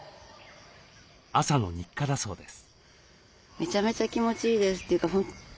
朝の日課だそうです。